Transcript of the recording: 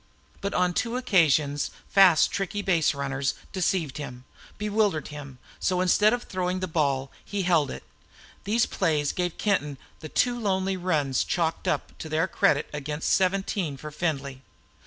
But on two occasions fast, tricky base runners deceived him, bewildered him, so that instead of throwing the ball he held it. These plays gave Kenton the two lonely runs chalked up to their credit against seventeen for Findlay.